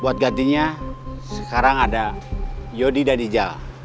buat gantinya sekarang ada yodi dan ija